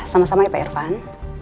ya sama sama ya pak irvan